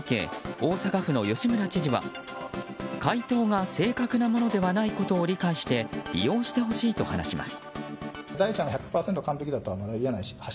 大阪府の吉村知事は回答が正確なものではないことを理解して利用してほしいと話します。